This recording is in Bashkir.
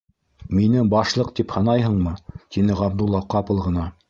- Мине Башлыҡ тип һанайһыңмы? - тине Ғабдулла ҡапыл ғына.